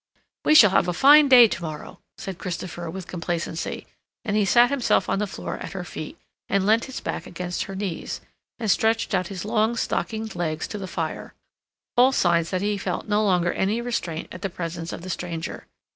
"We shall have a fine day to morrow," said Christopher with complacency, and he sat himself on the floor at her feet, and leant his back against her knees, and stretched out his long stockinged legs to the fire—all signs that he felt no longer any restraint at the presence of the stranger.